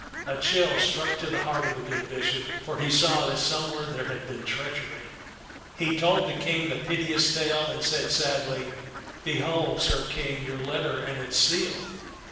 A chill struck to the heart of the good bishop, for he saw that somewhere there had been treachery. He told the King the piteous tale, and said sadly, " Behold, Sir King, your letter and its seal.